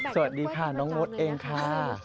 สวัสดีค่ะน้องมดเองค่ะ